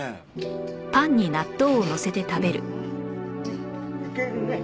うんいけるね。